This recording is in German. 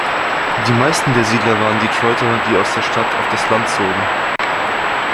Die meisten der Siedler waren Detroiter, die aus der Stadt auf das Land zogen.